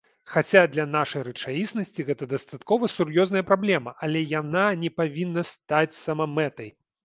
Хаця, для нашай рэчаіснасці гэта дастаткова сур'ёзная праблема, але яна не павінна стаць самамэтай.